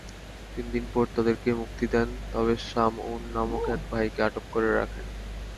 তিনদিন পর তাদেরকে মুক্তি দেন, তবে শামউন নামক এক ভাইকে আটক করে রাখেন।